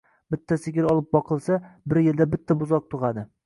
— bitta sigir olib boqilsa, bir yilda bitta buzoq tug‘adi.